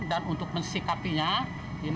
dan untuk mencari kemampuan